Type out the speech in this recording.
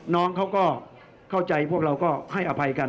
น้องเขาก็เข้าใจพวกเราก็ให้อภัยกัน